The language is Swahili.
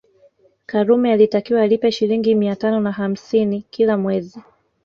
Karume alitakiwa alipe Shilingi mia tano na hamsini kila mwezi